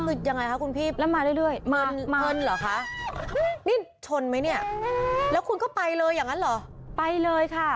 คือยังไงค่ะคุณพี่มา